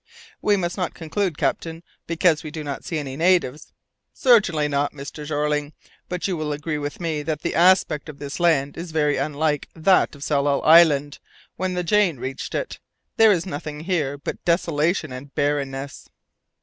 "We must not conclude, captain, because we do not see any natives " "Certainly not, Mr. Jeorling; but you will agree with me that the aspect of this land is very unlike that of Tsalal Island when the Jane reached it; there is nothing here but desolation and barrenness."